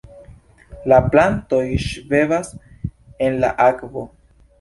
La plantoj ŝvebas en la akvo.